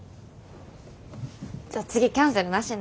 じゃあ次キャンセルなしね。